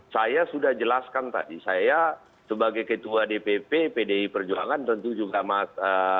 saya sudah jelaskan tadi saya sebagai ketua dpp pdi perjuangan tentu juga mas